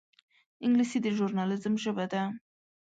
انګلیسي د ژورنالېزم ژبه ده